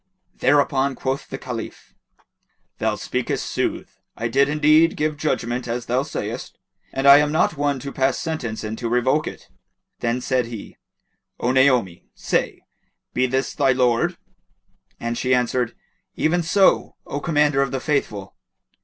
Thereupon quoth the Caliph, "Thou speakest sooth: I did indeed give judgement as thou sayst, and I am not one to pass sentence and to revoke it." Then said he, "O Naomi, say, be this thy lord?" And she answered "Even so, O Commander of the Faithful."